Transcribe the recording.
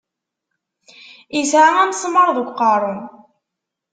Isɛa amesmaṛ deg uqeṛṛu.